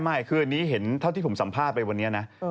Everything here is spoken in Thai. ไม่คืออันนี้เห็นเท่าที่ผมสัมภาษณ์ไปวันนี้นะ